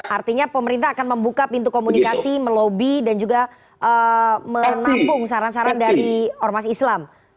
artinya pemerintah akan membuka pintu komunikasi melobi dan juga menampung saran saran dari ormas islam